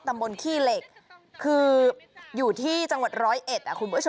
ตำบลขี้เหล็กคืออยู่ที่จังหวัด๑๐๑